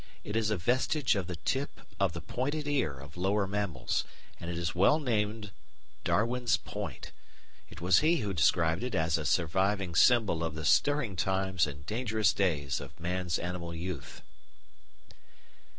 It is a vestige of the tip of the pointed ear of lower mammals, and it is well named Darwin's point. It was he who described it as a "surviving symbol of the stirring times and dangerous days of man's animal youth."